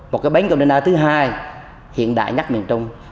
một cái bánh container thứ hai hiện đại nhất miền trung